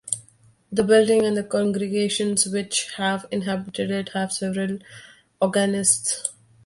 The building and the congregations which have inhabited it have had several organists.